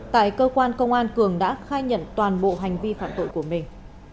tại cơ quan công an cường đã khai nhận toàn bộ hành vi phạm tội của mình